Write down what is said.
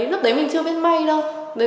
lúc đấy mình chưa biết may đâu